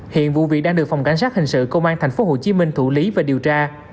hiện vụ việc đang được phòng cảnh sát hình sự công an tp hcm thủ lý và điều tra